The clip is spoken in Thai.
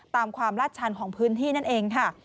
ตามความลาดชันของพื้นที่นั่นเองค่ะ